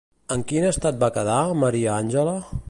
En quin estat va quedar, Maria Àngela?